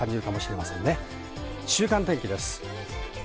週間天気です。